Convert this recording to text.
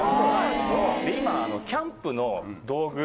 今キャンプの道具。